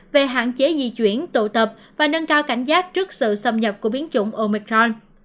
về hạn chế di chuyển tụ tập và nâng cao cảnh giác trước sự xâm nhập của biến chủng omicron